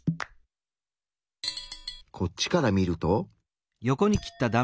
こっちから見ると。